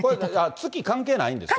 月関係ないんですか？